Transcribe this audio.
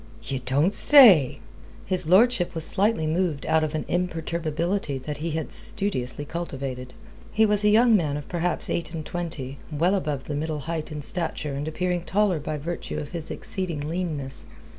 "Ye don't say!" His lordship was slightly moved out of an imperturbability that he had studiously cultivated. He was a young man of perhaps eight and twenty, well above the middle height in stature and appearing taller by virtue of his exceeding leanness.